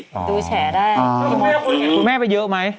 ขุม่าไปเยอะไหม